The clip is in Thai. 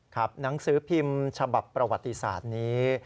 หนังสือพิมพ์ฉบับประวัติศาสตร์นี้